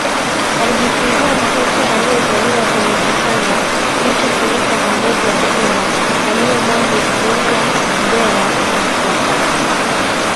alijifungua mtoto aliyezaliwa kwenye kitanda kilichofunikwa kwa ngozi ya simba aliyomahi kuua Mbegha wakati